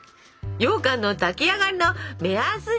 ようかんの炊き上がりの目安ちや。